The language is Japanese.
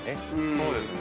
そうですね。